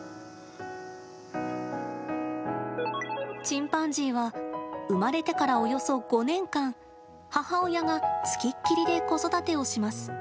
チンパンジーは、生まれてからおよそ５年間、母親が付きっきりで子育てをします。